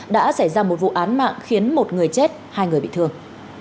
đã xảy ra một vụ án mạng khiến một người chết hai người bị thương